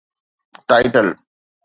title